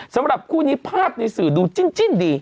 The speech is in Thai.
สำหรับคู่นี้ภาพในสื่อดูจิ้นดี